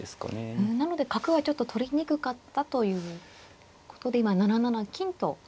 なので角はちょっと取りにくかったということで今７七金と。